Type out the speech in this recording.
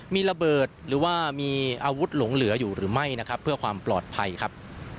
มีระเบิดหรือว่ามีอาวุธหลงเหลืออยู่หรือไม่นะครับเพื่อความปลอดภัยครับ